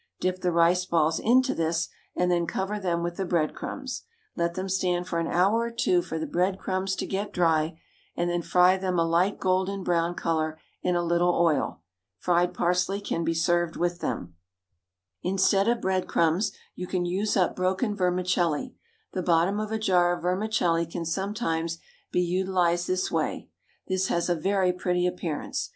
Dip the rice balls into this, and then cover them with the bread crumbs. Let them stand for an hour or two for the bread crumbs to get dry, and then fry them a light golden brown colour in a little oil. Fried parsley can be served with them. Instead of bread crumbs you can use up broken vermicelli the bottom of a jar of vermicelli can sometimes be utilised this way. This has a very pretty appearance.